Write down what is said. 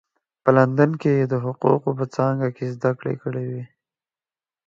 په لندن کې یې د حقوقو په څانګه کې زده کړې کړې وې.